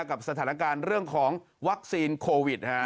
กับสถานการณ์เรื่องของวัคซีนโควิด